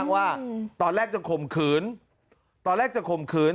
ว่าตอนแรกจะข่มขืนตอนแรกจะข่มขืน